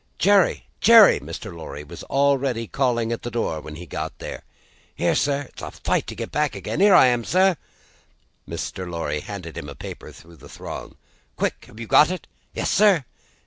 "Jerry! Jerry!" Mr. Lorry was already calling at the door when he got there. "Here, sir! It's a fight to get back again. Here I am, sir!" Mr. Lorry handed him a paper through the throng. "Quick! Have you got it?" "Yes, sir."